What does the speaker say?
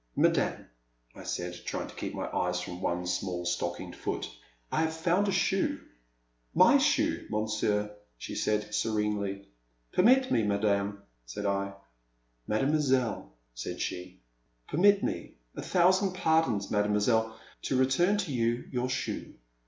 Madame,'* I said, trying to keep my eyes from one small stockinged foot, I have found a shoe —My shoe. Monsieur,'* she said, serenely. Permit me, madame,'* said I —Mademoiselle —" said she —Permit me, — a thousand pardons, Mademoi selle, — to return to you your shoe."